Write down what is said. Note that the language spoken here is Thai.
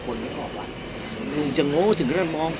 พี่อัดมาสองวันไม่มีใครรู้หรอก